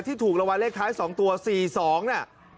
ที่ถูกละวันเลขคล้าย๒ตัว๔๒นะ